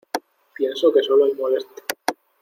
Pienso que solo soy molesto.